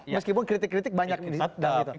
meskipun kritik kritik banyak di dalam itu